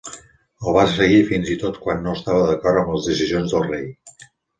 El va seguir fins i tot quan no estava d'acord amb les decisions del rei.